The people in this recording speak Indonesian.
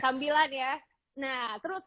sambilan ya nah terus